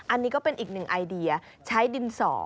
อันนี้ก็เป็นอีกหนึ่งไอเดียใช้ดินสอ